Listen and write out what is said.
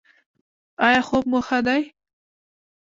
ایا خوب مو ښه دی؟